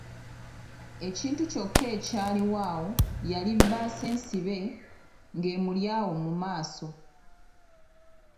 Ekintu kyokka ekyaliwo awo yali bbaasa ensibe nga emuli awo mu maaso.